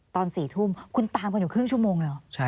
ตอน๔ทุ่มคุณตามกันอยู่ครึ่งชั่วโมงเลยเหรอ